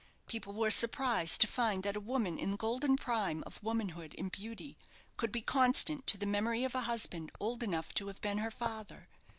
People were surprised to find that a woman in the golden prime of womanhood and beauty could be constant to the memory of a husband old enough to have been her father.